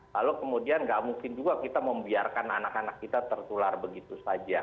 lalu kemudian nggak mungkin juga kita membiarkan anak anak kita tertular begitu saja